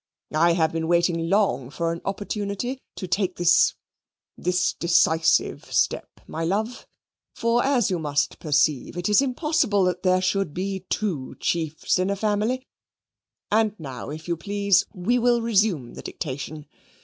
I have been waiting long for an opportunity to take this this decisive step, my love; for, as you must perceive, it is impossible that there should be two chiefs in a family: and now, if you please, we will resume the dictation.